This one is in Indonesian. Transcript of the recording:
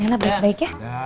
nela berantem baik ya